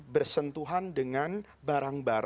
bersentuhan dengan barang barang yang berbeda beda